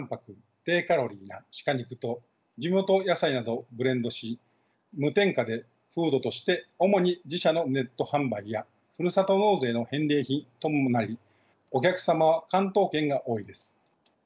低カロリーな鹿肉と地元野菜などブレンドし無添加フードとして主に自社のネット販売やふるさと納税の返礼品ともなりお客様は関東圏が多いです。